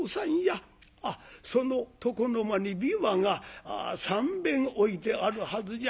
あっその床の間に琵琶が３べん置いてあるはずじゃ。